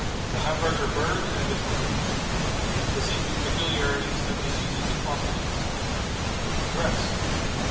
The Hamburger Berg and its Women. Physique, Peculiarities, and Diseases of Prostitutes. Dress.